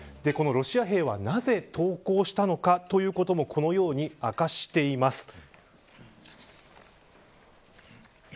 ロシア兵はなぜ投降したのかということをこのように明かしています。